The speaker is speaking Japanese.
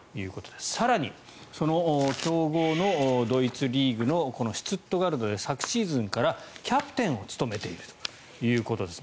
更に、その強豪のドイツリーグのシュツットガルトで昨シーズンからキャプテンを務めているということです。